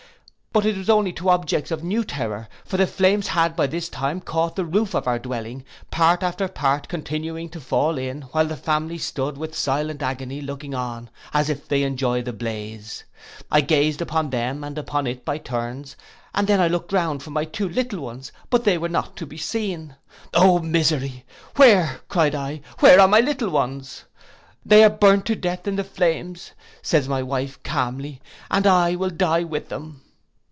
But it was only to objects of new terror; for the flames had, by this time, caught the roof of our dwelling, part after part continuing to fall in, while the family stood, with silent agony, looking on, as if they enjoyed the blaze. I gazed upon them and upon it by turns, and then looked round me for my two little ones; but they were not to be seen. O misery! 'Where,' cried I, 'where are my little ones?'—'They are burnt to death in the flames,' says my wife calmly, 'and I will die with them.